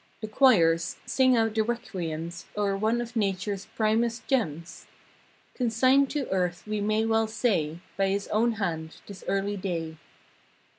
The choirs—sing out the requiems O'er one of Natures primest gems. Consigned to Earth we well may say By his own hand, this early day.